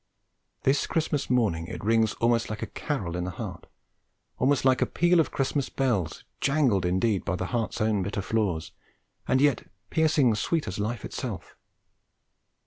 This Christmas morning it rings almost like a carol in the heart, almost like a peal of Christmas bells jangled indeed by the heart's own bitter flaws, and yet piercing sweet as Life itself.